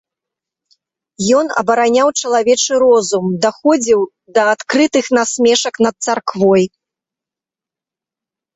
Ён абараняў чалавечы розум, даходзіў да адкрытых насмешак над царквой.